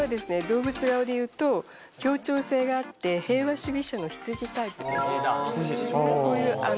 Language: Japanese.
動物顔でいうと協調性があって平和主義者のひつじタイプですひつじあ